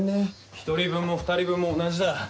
１人分も２人分も同じだ。